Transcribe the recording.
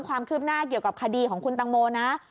ความคืบหน้าเกี่ยวกับคดีของคุณตังโมนะ